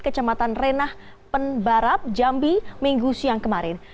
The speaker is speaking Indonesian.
kecamatan renah penbarap jambi minggu siang kemarin